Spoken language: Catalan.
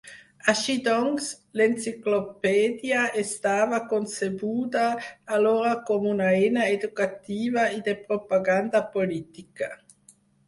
Així doncs, l'enciclopèdia estava concebuda alhora com una eina educativa i de propaganda política.